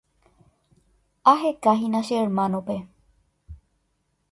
Ahekahína che hermanope.